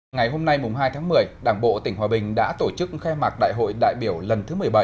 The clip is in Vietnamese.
ngày hôm nay hai tháng một mươi đảng bộ tỉnh hòa bình đã tổ chức khai mạc đại hội đại biểu lần thứ một mươi bảy